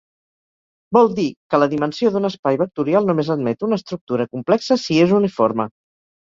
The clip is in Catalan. Vol dir, que la dimensió d'un espai vectorial només admet una estructura complexa si és uniforme.